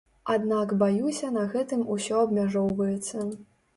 Аднак, баюся, на гэтым усё абмяжоўваецца.